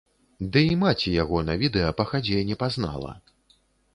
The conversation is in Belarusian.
Ды і маці яго на відэа па хадзе не пазнала.